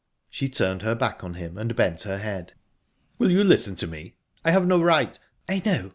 She turned her back on him, and bent her head. "Will you listen to me?...I have no right..." "I know.